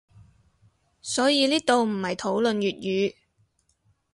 所以呢度唔係討論粵語